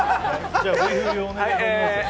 じゃＶ振りをお願いします。